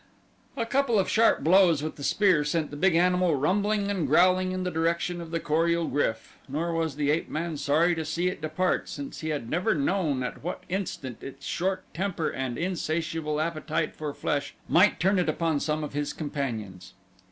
A couple of sharp blows with the spear sent the big animal rumbling and growling in the direction of the Kor ul GRYF nor was the ape man sorry to see it depart since he had never known at what instant its short temper and insatiable appetite for flesh might turn it upon some of his companions.